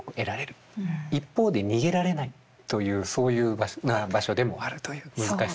一方で逃げられないというそういう場所でもあるという難しさです。